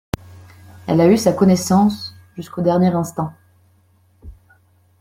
Elle a eu sa connaissance jusqu'au dernier instant.